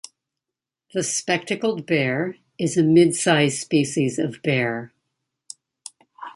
The spectacled bear is a mid-sized species of bear.